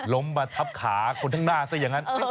ล้มมาทับขาคนข้างหน้าซะอย่างนั้น